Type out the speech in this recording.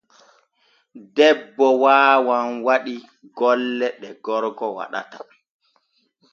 Debbo waawan waɗi golle ɗ e gorgo waɗata.